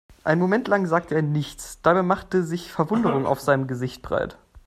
Einen Moment lang sagte er nichts, dabei machte sich Verwunderung auf seinem Gesicht breit.